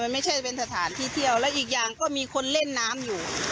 ไม่ใช่เป็นสถานที่เที่ยวและอีกอย่างก็มีคนเล่นน้ำอยู่